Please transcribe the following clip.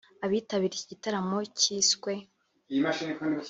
Abitabiriye iki gitaramo cyiswe �